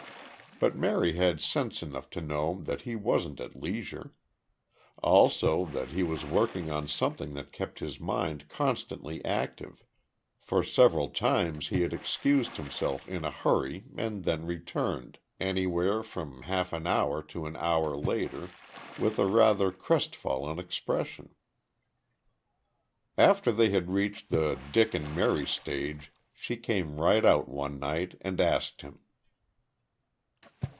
But Mary had sense enough to know that he wasn't at leisure. Also that he was working on something that kept his mind constantly active for several times he had excused himself in a hurry and then returned, anywhere from half an hour to an hour later, with a rather crestfallen expression. After they had reached the "Dick and Mary" stage she came right out one night and asked him.